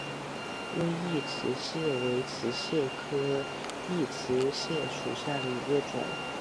微异瓷蟹为瓷蟹科异瓷蟹属下的一个种。